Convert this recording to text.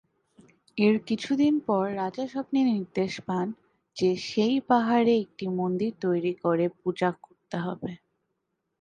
এর কিছুদিন পর রাজা স্বপ্নে নির্দেশ পান যে সেই পাহাড়ে একটি মন্দির তৈরি করে পূজা করতে হবে।